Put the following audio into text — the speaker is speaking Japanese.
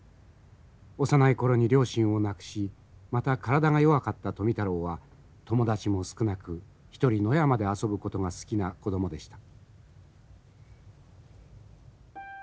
幼い頃に両親をなくしまた体が弱かった富太郎は友達も少なく一人野山で遊ぶことが好きな子供でした。